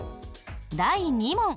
第２問。